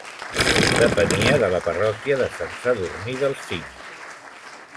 Depenia de la parròquia de Sant Sadurní del Cint.